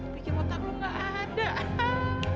pikir otak lo gak ada